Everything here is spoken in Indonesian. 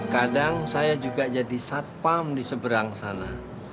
kadang saya juga jadi satpam di seberang sana